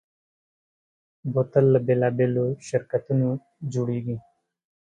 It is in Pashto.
بوتل له بېلابېلو شرکتونو جوړېږي.